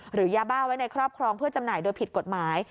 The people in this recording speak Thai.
หรือยาบ้าไว้ในครอบครองเพื่อจำหน่ายโดยผิดกฎหมาย